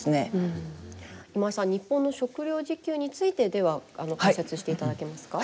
今井さん日本の食料自給についてでは解説していただけますか。